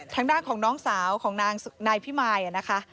ทางด้านของน้องสาวของนางนายพิมายนะคะ